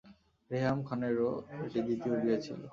রেহাম খানেরও এটি দ্বিতীয় বিয়ে ছিল।